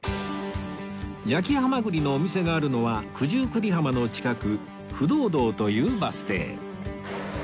焼きハマグリのお店があるのは九十九里浜の近く不動堂というバス停